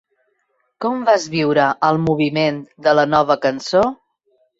Com vas viure el moviment de la “Nova Cançó”?